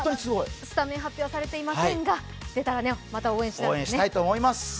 スタメン発表されていませんが出たら応援したいですね。